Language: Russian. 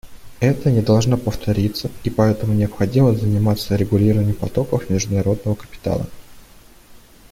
Это не должно повториться, и поэтому необходимо заниматься регулированием потоков международного капитала.